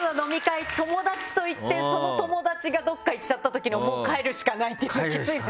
友達と行ってその友達がどっか行っちゃったときのもう帰るしかないっていうのきついですよね。